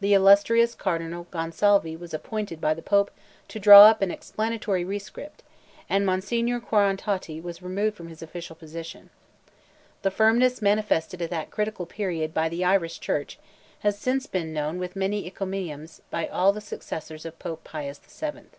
the illustrious Cardinal Gonsalvi was appointed by the Pope to draw up an explanatory rescript, and Monsignor Quarrantotti was removed from his official position. The firmness manifested at that critical period by the Irish church has since been acknowledged with many encomiums by all the successors of Pope Pius VII.